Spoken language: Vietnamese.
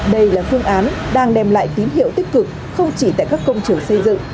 đây là phương án đang đem lại tín hiệu tích cực không chỉ tại các công trường xây dựng